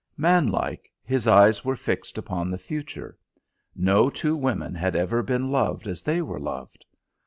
Man like, his eyes were fixed upon the future. No two women had ever been loved as they were loved.